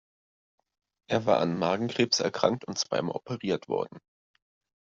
Er war an Magenkrebs erkrankt und zweimal operiert worden.